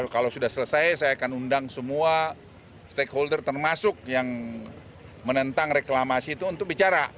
kalau sudah selesai saya akan undang semua stakeholder termasuk yang menentang reklamasi itu untuk bicara